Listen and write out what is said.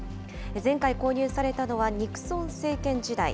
前回購入されたのはニクソン政権時代。